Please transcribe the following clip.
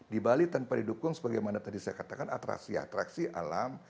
di bali tanpa didukung sebagaimana tadi saya katakan atraksi atraksi alam